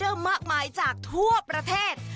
ที่มีออเดอร์มากมายจากทั่วประเทศ